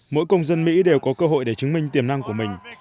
mỗi công dân mỹ đều có cơ hội để chứng minh tiềm năng của mình